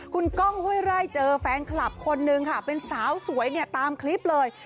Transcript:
คุณก้องห้วยไร่เจอแฟนคลับคนนึงค่ะเป็นสาวสวยเนี่ยตามคลิปเลย